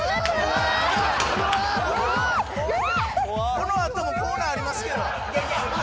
このあともコーナーあります